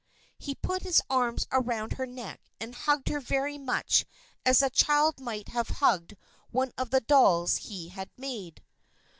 He put his arms around her neck and hugged her very much as a child might have hugged one of the dolls he had made.